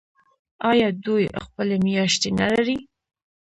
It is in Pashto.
آیا دوی خپلې میاشتې نلري؟